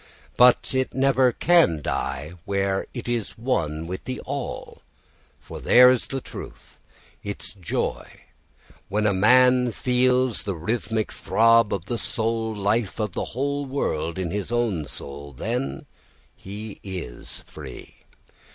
But it never can die where it is one with the all, for there is its truth, its joy. When a man feels the rhythmic throb of the soul life of the whole world in his own soul, then is he free.